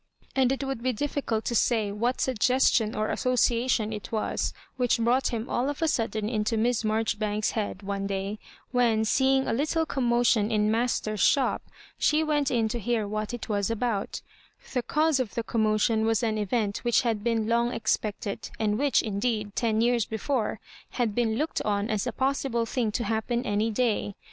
And it would be difficult to say what suggestion or association it was which brought him all of a sudden into Miss Marjori banks's head, one day, when, seeing a little com motion in Master's shop, she went in to hear what it was about The cause of the commotion was an event which had been long expected, and which, indeed, ten years before, had been looked on as a possible thing to happen any day.